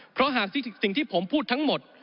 เพราะหากสิ่งที่ผมพูดทั้งหมด